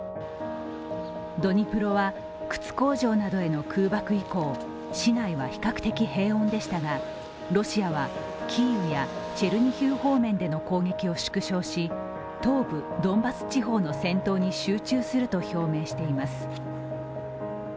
ドニプロは、靴工場などへの空爆以降市内は比較的平穏でしたがロシアはキーウやチェルニヒウ方面での攻撃を縮小し東部ドンバス地方の戦闘に集中すると表明しています。